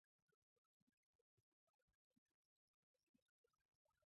三岛县是越南永福省下辖的一个县。